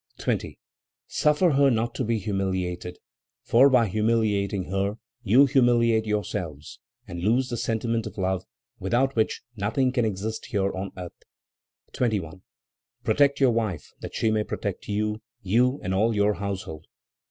20. "Suffer her not to be humiliated, for by humiliating her you humiliate yourselves, and lose the sentiment of love, without which nothing can exist here on earth. 21. "Protect your wife, that she may protect you you and all your household.